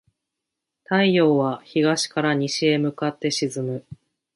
太陽は東から西に向かって沈む。